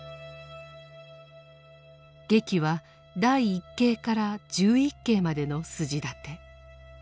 劇は第一景から十一景までの筋立て。